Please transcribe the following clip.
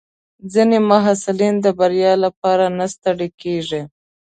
ځینې محصلین د بریا لپاره نه ستړي کېږي.